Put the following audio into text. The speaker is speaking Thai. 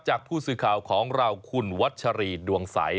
จากผู้สื่อข่าวของเราคุณวัชรีดวงใส